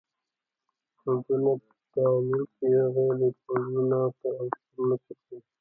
فلزونه په تعامل کې غیر فلزونو ته الکترون ورکوي.